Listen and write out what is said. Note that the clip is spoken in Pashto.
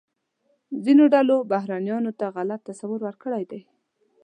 ځینو ډلو بهرنیانو ته غلط تصور ورکړی دی.